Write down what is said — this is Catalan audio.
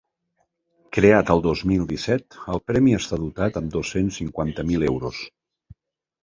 Creat el dos mil disset, el premi està dotat amb dos-cents cinquanta mil euros.